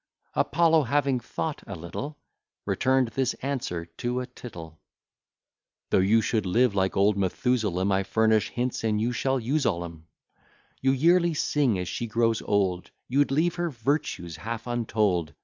Apollo, having thought a little, Return'd this answer to a tittle. Though you should live like old Methusalem, I furnish hints and you shall use all 'em, You yearly sing as she grows old, You'd leave her virtues half untold.